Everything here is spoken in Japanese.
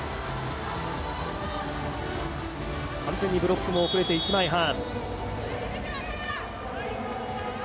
完全にブロックも遅れて一枚半。